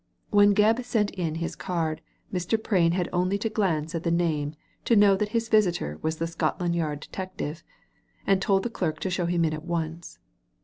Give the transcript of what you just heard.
When Gebb sent in his card Mr. Frain had only to glance at the name to know that his visitor was the Scotland Yard detective, and told the clerk to show him in at once.